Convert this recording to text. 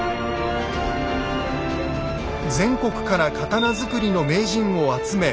全国から刀作りの名人を集め